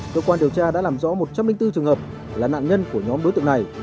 cơ quan điều tra đã làm rõ một trăm linh bốn trường hợp là nạn nhân của nhóm đối tượng này